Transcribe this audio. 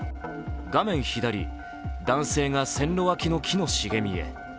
画面左、男性が線路脇の木の茂みへ。